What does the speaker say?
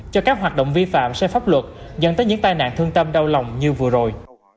cho các hoạt động vi phạm xe pháp luật dẫn tới những tai nạn thương tâm đau lòng như vừa rồi